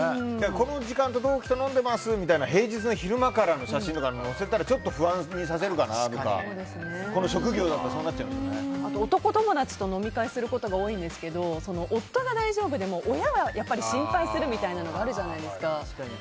この時間同期と飲んでいますっていう平日の昼間からの写真とか載せたらこの職業だったらあと、男友達と飲み会することが多いんですけど夫が大丈夫でも親は心配するみたいなのがあるじゃないですか。